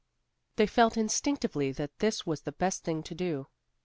They felt instinctively that this was the best thing to do.